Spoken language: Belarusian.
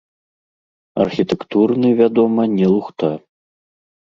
Архітэктурны, вядома, не лухта.